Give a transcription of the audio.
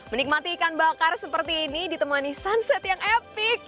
menikmati ikan bakar seperti ini ditemani sunset yang epic